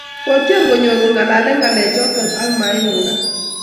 kotyem konyor kongalele ngalek choton ak maimugak